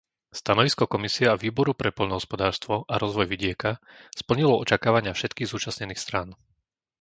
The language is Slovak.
Stanovisko Komisie a Výboru pre poľnohospodárstvo a rozvoj vidieka splnilo očakávania všetkých zúčastnených strán.